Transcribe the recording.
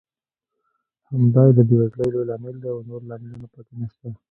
همدا یې د بېوزلۍ لوی لامل دی او نور لاملونه پکې نشته.